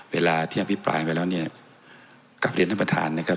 เวลาที่อภิปรายไปแล้วเนี่ยกลับเรียนท่านประธานนะครับ